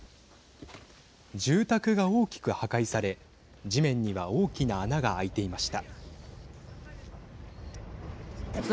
住宅が大きく破壊され地面には大きな穴があいていました。